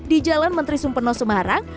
di jalan menteri sumpeno semarang